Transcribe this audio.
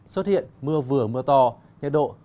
xuất hiện mưa vừa mưa to nhiệt độ cao nhất